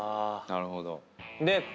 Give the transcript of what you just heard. なるほど。